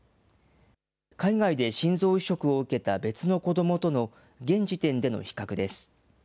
海外で心臓移植を受けた別の子どもとの現時点での比較です。